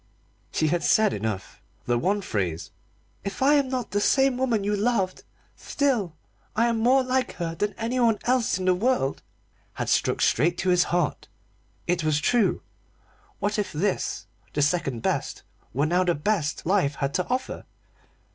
She had said enough. The one phrase "If I am not the same woman you loved, still I am more like her than anyone else in the world" had struck straight at his heart. It was true. What if this, the second best, were now the best life had to offer?